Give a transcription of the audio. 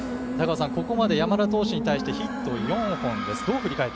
ここまで山田投手に対してヒット４本です。